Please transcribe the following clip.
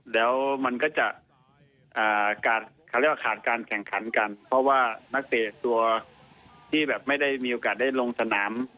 แล้วมันก็จะขาดเขาเรียกว่าขาดการแข่งขันกันเพราะว่านักเตะตัวที่แบบไม่ได้มีโอกาสได้ลงสนาม